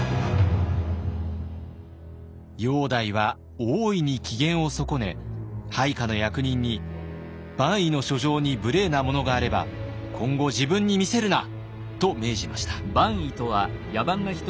煬帝は大いに機嫌を損ね配下の役人に「蛮夷の書状に無礼なものがあれば今後自分に見せるな」と命じました。